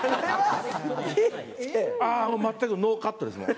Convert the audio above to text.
あ全くノーカットですね。